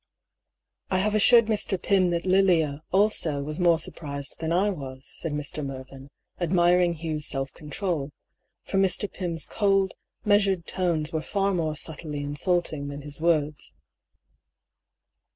'^ I have assured Mr. Pym that Lilia, also, was more surprised than I was," said Mr. Mervyn, admiring Hugh's self control ; for Mr. Pym's cold, measured tones were far more subtly insulting than his words.